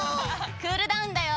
クールダウンだよ。